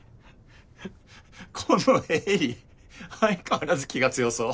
この絵里相変わらず気が強そう。